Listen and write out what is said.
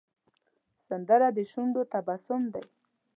سندره د شونډو تبسم دی